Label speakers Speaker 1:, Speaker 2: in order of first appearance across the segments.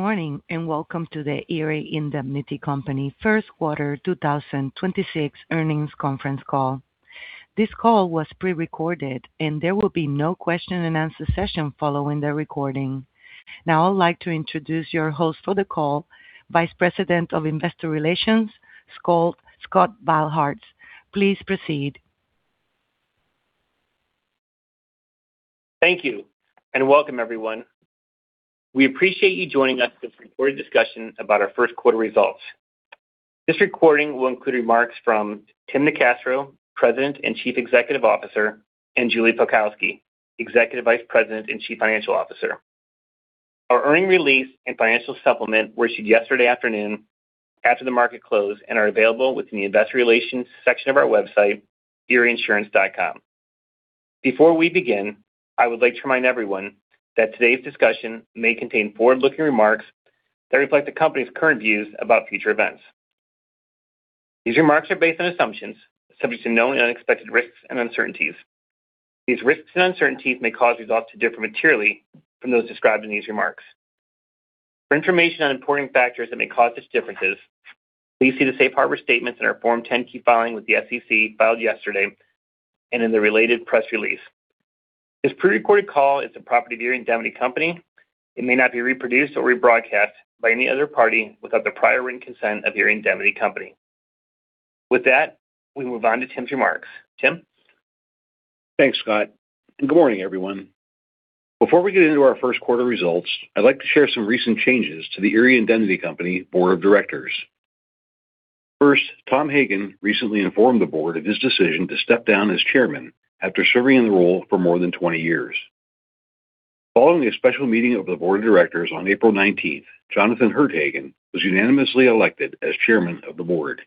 Speaker 1: Good morning, and welcome to the Erie Indemnity Company Q1 2026 Earnings Conference Call. This call was pre-recorded, and there will be no question-and-answer session following the recording. Now I'd like to introduce your host for the call, Vice President of Investor Relations, Scott Beilharz. Please proceed.
Speaker 2: Thank you, and welcome everyone. We appreciate you joining us for this recorded discussion about our Q1 results. This recording will include remarks from Tim NeCastro, President and Chief Executive Officer, and Julie Pelkowski, Executive Vice President and Chief Financial Officer. Our earnings release and financial supplement were issued yesterday afternoon after the market close and are available within the Investor Relations section of our website, erieinsurance.com. Before we begin, I would like to remind everyone that today's discussion may contain forward-looking remarks that reflect the company's current views about future events. These remarks are based on assumptions, subject to known and unexpected risks and uncertainties. These risks and uncertainties may cause results to differ materially from those described in these remarks. For information on important factors that may cause such differences, please see the safe harbor statements in our Form 10-Q filing with the SEC filed yesterday, and in the related press release. This pre-recorded call is a property of Erie Indemnity Company. It may not be reproduced or rebroadcast by any other party without the prior written consent of Erie Indemnity Company. With that, we move on to Tim's remarks. Tim?
Speaker 3: Thanks, Scott, and good morning, everyone. Before we get into our Q1 results, I'd like to share some recent changes to the Erie Indemnity Company board of directors. First, Tom Hagen recently informed the board of his decision to step down as chairman after serving in the role for more than 20 years. Following a special meeting of the board of directors on April 19th, Jonathan Hirt Hagen was unanimously elected as chairman of the board.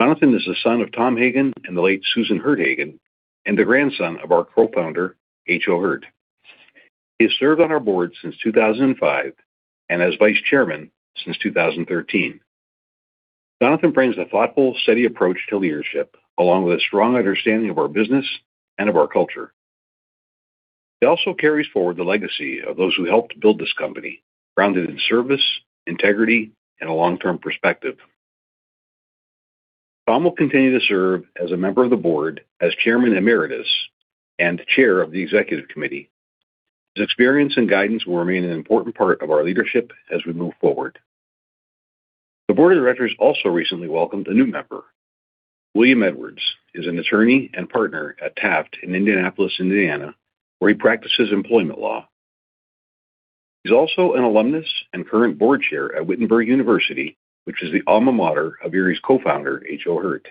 Speaker 3: Jonathan is the son of Tom Hagen and the late Susan Hirt Hagen, and the grandson of our co-founder, H.O. Hirt. He has served on our board since 2005 and as vice chairman since 2013. Jonathan brings a thoughtful, steady approach to leadership, along with a strong understanding of our business and of our culture. He also carries forward the legacy of those who helped build this company, grounded in service, integrity, and a long-term perspective. Tom will continue to serve as a member of the board as Chairman Emeritus and Chair of the Executive Committee. His experience and guidance will remain an important part of our leadership as we move forward. The board of directors also recently welcomed a new member. William Edwards is an attorney and partner at Taft in Indianapolis, Indiana, where he practices employment law. He's also an alumnus and current board chair at Wittenberg University, which is the alma mater of Erie's co-founder, H.O. Hirt.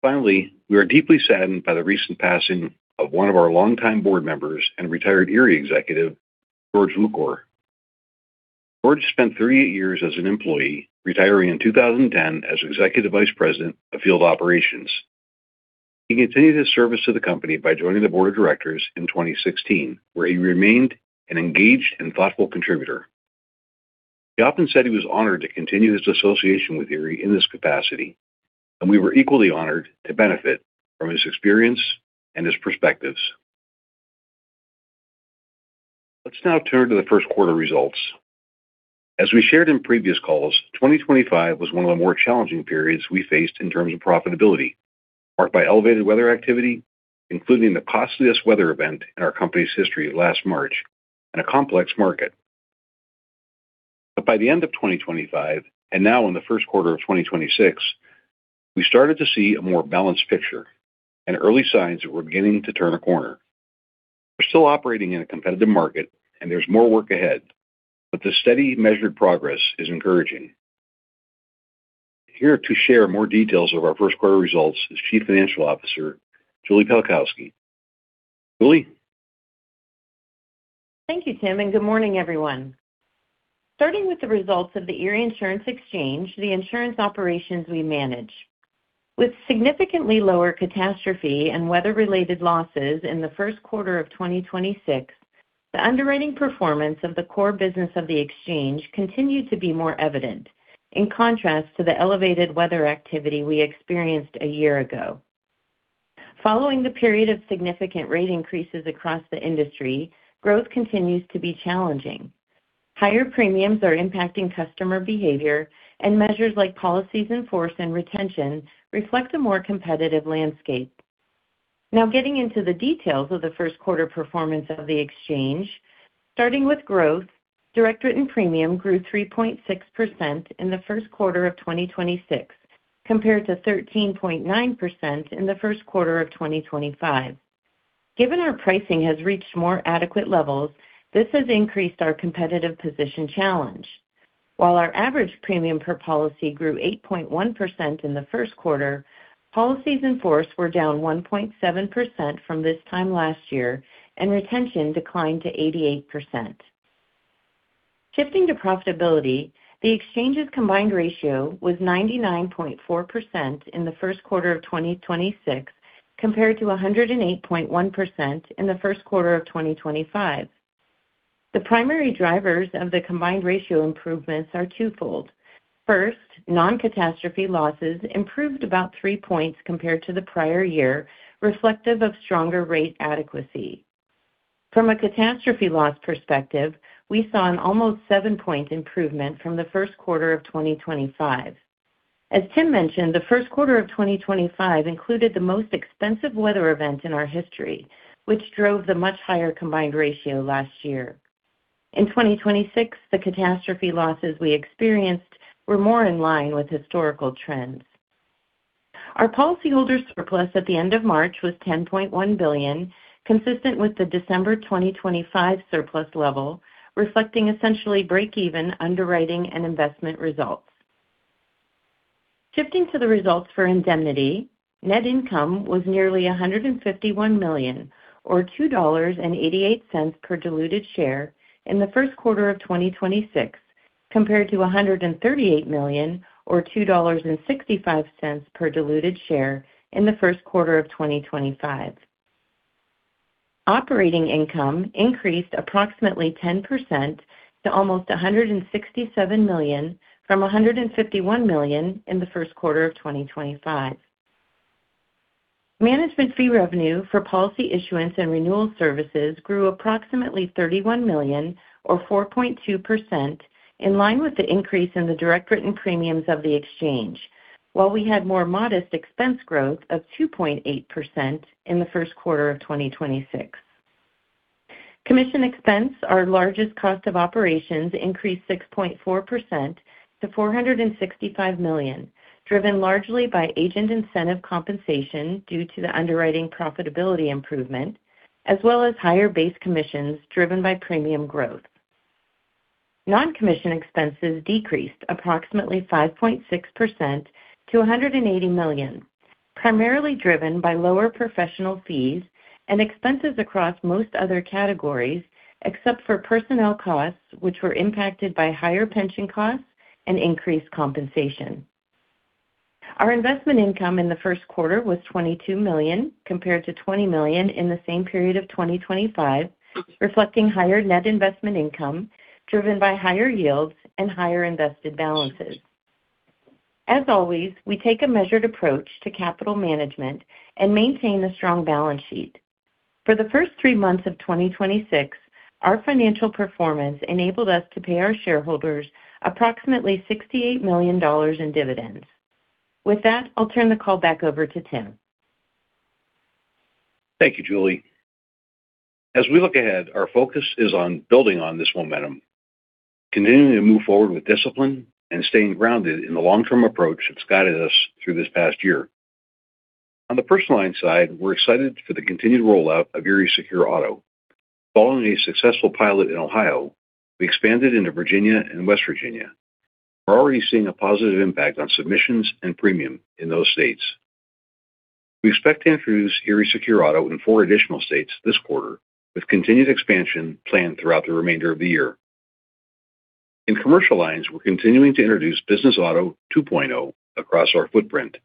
Speaker 3: Finally, we are deeply saddened by the recent passing of one of our longtime board members and retired Erie executive, George Lucore. George spent 38 years as an employee, retiring in 2010 as Executive Vice President of Field Operations. He continued his service to the company by joining the board of directors in 2016, where he remained an engaged and thoughtful contributor. He often said he was honored to continue his association with Erie in this capacity, and we were equally honored to benefit from his experience and his perspectives. Let's now turn to the Q1 results. As we shared in previous calls, 2025 was one of the more challenging periods we faced in terms of profitability, marked by elevated weather activity, including the costliest weather event in our company's history last March, and a complex market. By the end of 2025, and now in the Q1 of 2026, we started to see a more balanced picture and early signs that we're beginning to turn a corner. We're still operating in a competitive market and there's more work ahead, but the steady measured progress is encouraging. Here to share more details of our Q1 results is Chief Financial Officer, Julie Pelkowski. Julie?
Speaker 4: Thank you, Tim, and good morning, everyone. Starting with the results of the Erie Insurance Exchange, the insurance operations we manage. With significantly lower catastrophe and weather-related losses in the Q1 of 2026, the underwriting performance of the core business of the exchange continued to be more evident, in contrast to the elevated weather activity we experienced a year ago. Following the period of significant rate increases across the industry, growth continues to be challenging. Higher premiums are impacting customer behavior, and measures like policies in force and retention reflect a more competitive landscape. Now getting into the details of the Q1 performance of the exchange. Starting with growth, direct written premium grew 3.6% in the Q1 of 2026 compared to 13.9% in the Q1 of 2025. Given our pricing has reached more adequate levels, this has increased our competitive positioning challenge. While our average premium per policy grew 8.1% in the Q1, policies in force were down 1.7% from this time last year, and retention declined to 88%. Shifting to profitability, the exchange's combined ratio was 99.4% in the Q1 of 2026, compared to 108.1% in the Q1 of 2025. The primary drivers of the combined ratio improvements are twofold. First, non-catastrophe losses improved about 3 points compared to the prior year, reflective of stronger rate adequacy. From a catastrophe loss perspective, we saw an almost 7-point improvement from the Q1 of 2025. As Tim mentioned, the Q1 of 2025 included the most expensive weather event in our history, which drove the much higher combined ratio last year. In 2026, the catastrophe losses we experienced were more in line with historical trends. Our policyholder surplus at the end of March was $10.1 billion, consistent with the December 2025 surplus level, reflecting essentially break even underwriting and investment results. Shifting to the results for Indemnity, net income was nearly $151 million, or $2.88 per diluted share in the Q1 of 2026, compared to $138 million, or $2.65 per diluted share in the Q1 of 2025. Operating income increased approximately 10% to almost $167 million from $151 million in the Q1 of 2025. Management fee revenue for policy issuance and renewal services grew approximately $31 million, or 4.2%, in line with the increase in the direct written premiums of the exchange, while we had more modest expense growth of 2.8% in the Q1 of 2026. Commission expense, our largest cost of operations, increased 6.4% to $465 million, driven largely by agent incentive compensation due to the underwriting profitability improvement, as well as higher base commissions driven by premium growth. Non-commission expenses decreased approximately 5.6% to $180 million, primarily driven by lower professional fees and expenses across most other categories except for personnel costs, which were impacted by higher pension costs and increased compensation. Our investment income in the Q1 was $22 million, compared to $20 million in the same period of 2025, reflecting higher net investment income driven by higher yields and higher invested balances. As always, we take a measured approach to capital management and maintain a strong balance sheet. For the first three months of 2026, our financial performance enabled us to pay our shareholders approximately $68 million in dividends. With that, I'll turn the call back over to Tim.
Speaker 3: Thank you, Julie. As we look ahead, our focus is on building on this momentum, continuing to move forward with discipline, and staying grounded in the long-term approach that's guided us through this past year. On the personal line side, we're excited for the continued rollout of Erie Auto Security. Following a successful pilot in Ohio, we expanded into Virginia and West Virginia. We're already seeing a positive impact on submissions and premium in those states. We expect to introduce Erie Auto Security in four additional states this quarter, with continued expansion planned throughout the remainder of the year. In commercial lines, we're continuing to introduce Business Auto 2.0 across our footprint.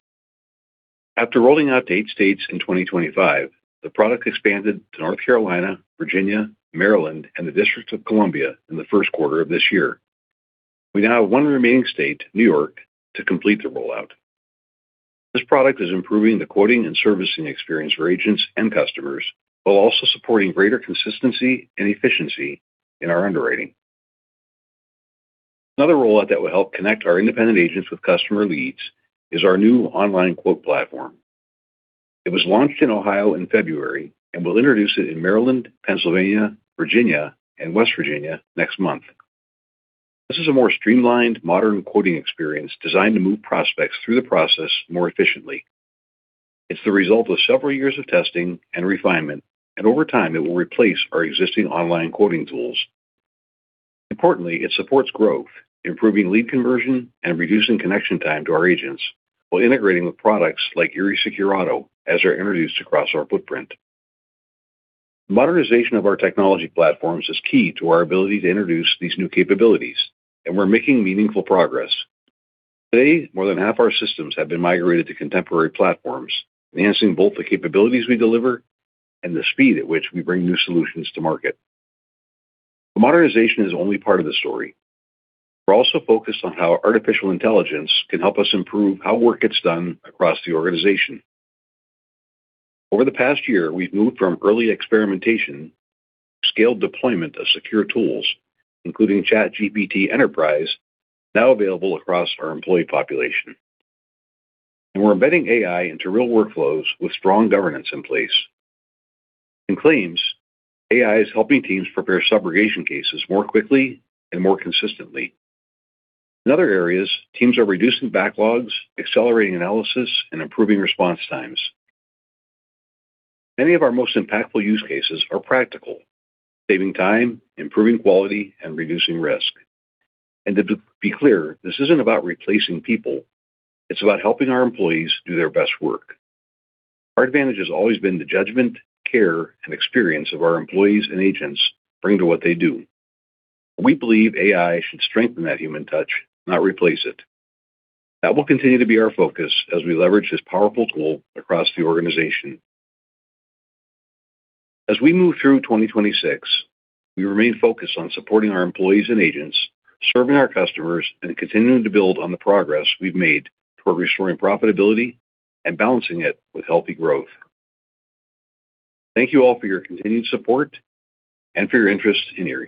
Speaker 3: After rolling out to eight states in 2025, the product expanded to North Carolina, Virginia, Maryland, and the District of Columbia in the Q1 of this year. We now have one remaining state, New York, to complete the rollout. This product is improving the quoting and servicing experience for agents and customers while also supporting greater consistency and efficiency in our underwriting. Another rollout that will help connect our independent agents with customer leads is our new online quote platform. It was launched in Ohio in February, and we'll introduce it in Maryland, Pennsylvania, Virginia, and West Virginia next month. This is a more streamlined, modern quoting experience designed to move prospects through the process more efficiently. It's the result of several years of testing and refinement, and over time, it will replace our existing online quoting tools. Importantly, it supports growth, improving lead conversion and reducing connection time to our agents while integrating with products like Erie Auto Security as they're introduced across our footprint. Modernization of our technology platforms is key to our ability to introduce these new capabilities, and we're making meaningful progress. Today, more than half our systems have been migrated to contemporary platforms, enhancing both the capabilities we deliver and the speed at which we bring new solutions to market. Modernization is only part of the story. We're also focused on how artificial intelligence can help us improve how work gets done across the organization. Over the past year, we've moved from early experimentation to scaled deployment of secure tools, including ChatGPT Enterprise, now available across our employee population. We're embedding AI into real workflows with strong governance in place. In claims, AI is helping teams prepare subrogation cases more quickly and more consistently. In other areas, teams are reducing backlogs, accelerating analysis, and improving response times. Many of our most impactful use cases are practical, saving time, improving quality, and reducing risk. To be clear, this isn't about replacing people. It's about helping our employees do their best work. Our advantage has always been the judgment, care, and experience of our employees and agents bring to what they do. We believe AI should strengthen that human touch, not replace it. That will continue to be our focus as we leverage this powerful tool across the organization. As we move through 2026, we remain focused on supporting our employees and agents, serving our customers, and continuing to build on the progress we've made toward restoring profitability and balancing it with healthy growth. Thank you all for your continued support and for your interest in Erie.